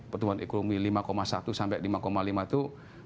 pertumbuhan ekonomi lima satu sampai lima lima itu